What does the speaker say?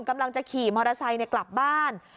กำลังจะขี่มอเตอร์ไซค์กลับบ้าน